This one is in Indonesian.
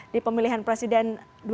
di pemilihan presiden dua ribu dua puluh empat